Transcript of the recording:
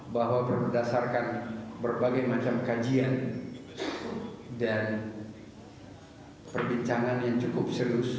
bahwa berdasarkan berbagai macam kajian dan perbincangan yang cukup serius